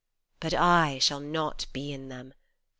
But I shall not be in them.